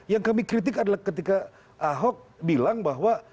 yang kami kritik adalah ketika ahok bilang bahwa